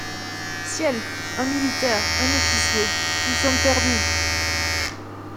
Ciel ! un militaire ! un officier ! nous sommes perdus !